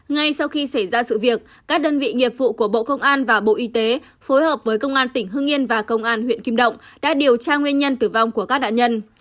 ngay sau khi xảy ra sự việc các đơn vị nghiệp vụ của bộ công an và bộ y tế phối hợp với công an tỉnh hương yên và công an huyện kim động đã điều tra nguyên nhân tử vong của các đạn nhân